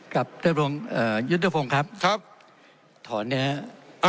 กับยุทธฟงศ์ครับถอนนะครับ